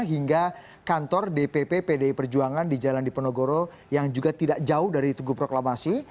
hingga kantor dpp pdi perjuangan di jalan diponegoro yang juga tidak jauh dari tugu proklamasi